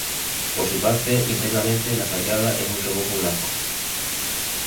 Por su parte internamente la fachada es un revoco blanco.